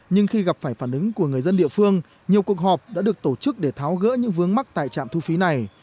nhưng khi gặp phải phản ứng của người dân địa phương nhiều cuộc họp đã được tổ chức để tháo gỡ những vướng mắc tại trạm thu phí này